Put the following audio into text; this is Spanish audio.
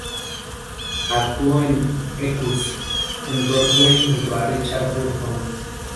Actuó en "Equus" en Broadway junto a Richard Burton.